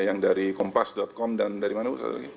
yang dari kompas com dan dari mana